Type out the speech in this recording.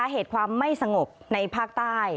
เหตุความไม่สงบในภาคใต้